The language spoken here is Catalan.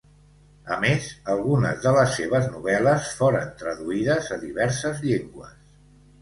A més, algunes de les seves novel·les foren traduïdes a diverses llengües.